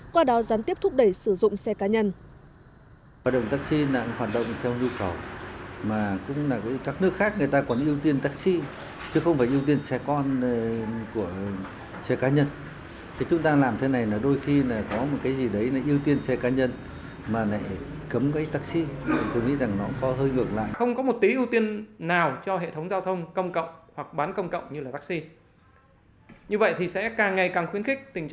qua đó gián tiếp thúc đẩy sử dụng xe cá nhân